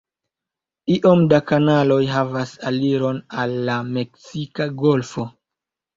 Iom da kanaloj havas aliron al la Meksika golfo.